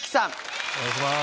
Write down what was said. お願いします。